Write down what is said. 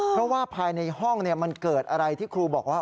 เพราะว่าภายในห้องมันเกิดอะไรที่ครูบอกว่า